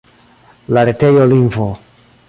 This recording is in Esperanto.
La retejo lingvo.